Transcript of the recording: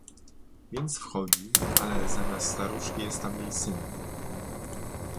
"Więc wchodzi, ale zamiast staruszki jest tam jej syn."